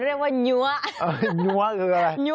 ปลอดภัย